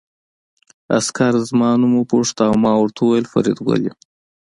عسکر زما نوم وپوښت او ما وویل فریدګل یم